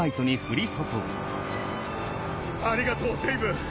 ありがとうデイヴ。